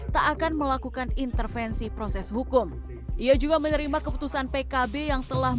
tak akan melakukan intervensi proses hukum ia juga menerima keputusan pkb yang telah